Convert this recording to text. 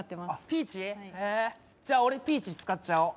ピーチへえじゃあ俺ピーチ使っちゃおう